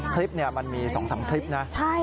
คลิปเนี้ยมันมีสองสามพลิปนี้